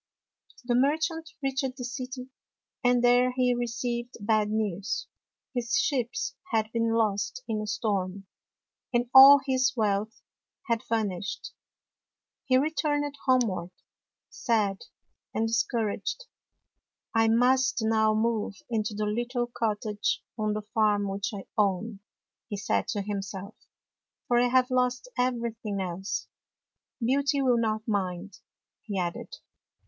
The merchant reached the city, and there he received bad news. His ships had been lost in a storm, and all his wealth had vanished. [ 79 ] FAVORITE FAIRY TALES RETOLD He returned homeward, sad and dis couraged. " I must now move into the lit tle cottage on the farm which I own,'' he said to himself, "for I have lost everything else. Beauty will not mind," he added.